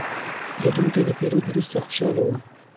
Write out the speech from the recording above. پیرودونکی د پیرود وروسته خوشاله و.